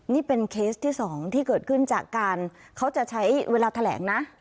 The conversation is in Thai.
นี่เป็นเคสที่๒ที่เกิดขึ้นจากการเขาจะใช้เวลาแถลงนะ